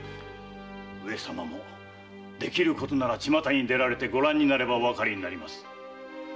上様もできることなら巷に出られてご覧になればおわかりになります。